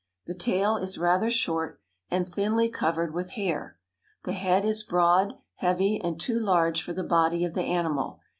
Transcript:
The tail is rather short, and thinly covered with hair; the head is broad, heavy, and too large for the body of the animal.